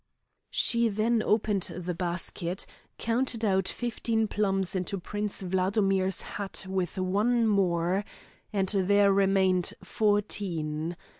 She then opened the basket, counted out fifteen plums into Prince Wladomir's hat with one more, and there remained fourteen.